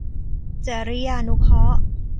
จริยานุเคราะห์